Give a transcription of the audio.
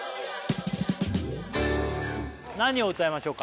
何を歌いましょうか？